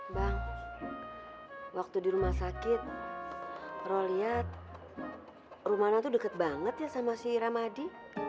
bang waktu di rumah sakit ro lihat rumahnya tuh deket banget ya sama si ramadi